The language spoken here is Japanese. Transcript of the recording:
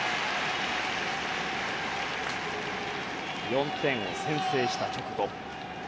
４点を先制した直後。